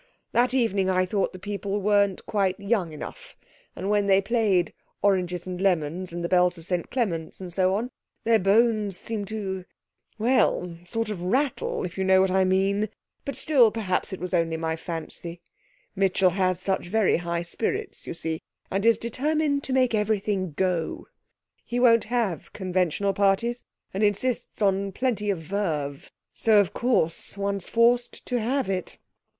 That evening I thought the people weren't quite young enough, and when they played 'Oranges and Lemons, and the Bells of St Clements,' and so on their bones seemed to well, sort of rattle, if you know what I mean. But still perhaps it was only my fancy. Mitchell has such very high spirits, you see, and is determined to make everything go. He won't have conventional parties, and insists on plenty of verve; so, of course, one's forced to have it.'